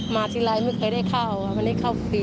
มาที่ไลน์ไม่เคยได้เข้าเพราะว่าไม่ได้เข้าฟรี